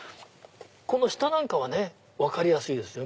この下はね分かりやすいですよ。